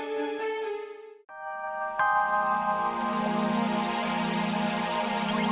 tapi dia mau jagain kava aja di rumah